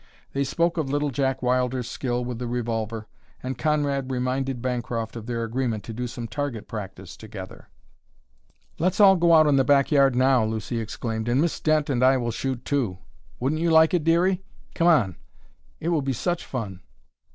They spoke of Little Jack Wilder's skill with the revolver, and Conrad reminded Bancroft of their agreement to do some target practice together. "Let's all go out in the back yard now," Lucy exclaimed, "and Miss Dent and I will shoot too! Wouldn't you like it, Dearie? Come on! it will be such fun!"